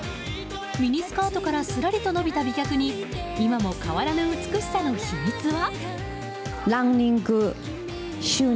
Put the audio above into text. ミニスカートからすらりと伸びた美脚に今も変わらぬ美しさの秘密は？